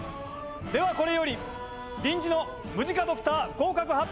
ではこれより臨時のムジカドクター合格発表を執り行う！